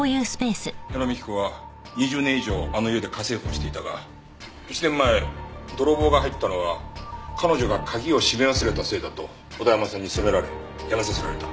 矢野幹子は２０年以上あの家で家政婦をしていたが１年前泥棒が入ったのは彼女が鍵をしめ忘れたせいだと小田山さんに責められ辞めさせられた。